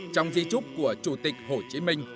trong di trúc của chủ tịch hồ chí minh